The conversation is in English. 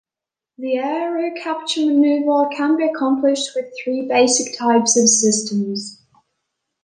The aerocapture maneuver can be accomplished with three basic types of systems.